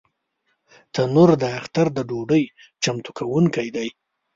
تنور د اختر د ډوډۍ چمتو کوونکی دی